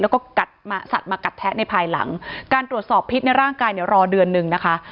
แล้วก็กัดสัตว์มากัดแทะในภายหลังการตรวจสอบพิษในร่างกายเนี่ยรอเดือนหนึ่งนะคะ